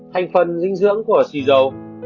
hành phần dinh dưỡng của xì dầu